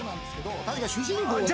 確か主人公がね。